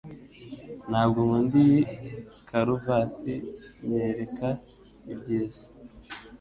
Ntabwo nkunda iyi karuvati. Nyereka ibyiza